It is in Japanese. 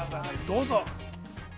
どうぞ。